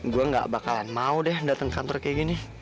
gue gak bakalan mau deh datang ke kantor kayak gini